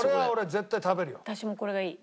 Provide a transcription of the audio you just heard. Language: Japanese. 絶対これがいい。